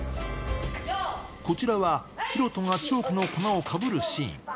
こちらは、広翔がチョークの粉をかぶるシーン。